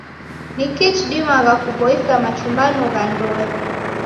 Ni kii chidimagha kuboisa machumbano gha ndoe?